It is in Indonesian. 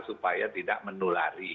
supaya tidak menulari